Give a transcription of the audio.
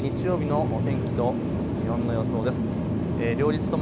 土曜日、日曜日の天気と気温の予想です。